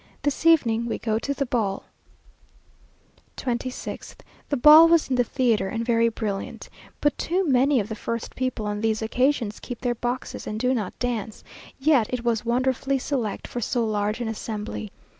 This evening we go to the ball. 26th. The ball was in the theatre, and very brilliant, but too many of the first people on these occasions keep their boxes, and do not dance; yet it was wonderfully select for so large an assembly.